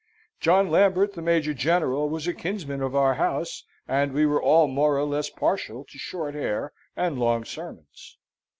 John Lambert, the Major General, was a kinsman of our house, and we were all more or less partial to short hair and long sermons.